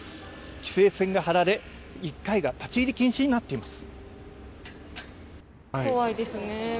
規制線が張られ１階が立ち入り禁止になっています。